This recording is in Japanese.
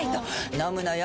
飲むのよ